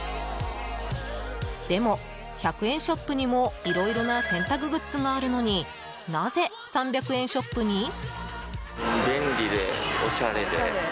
でも１００円ショップにもいろいろな洗濯グッズがあるのになぜ３００円ショップに？